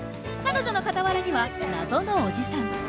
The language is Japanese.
彼女の傍らには謎のおじさん。